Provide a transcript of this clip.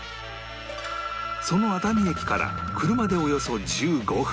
その熱海駅から車でおよそ１５分